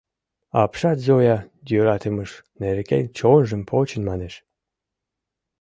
Апшат Зоя йӧратымыж нерген чонжым почын, манеш.